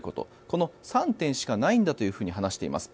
この３点しかないんだと話しています。